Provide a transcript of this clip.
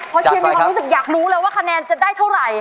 เพราะเชียมมีความรู้สึกอยากจะได้เท่าไหร่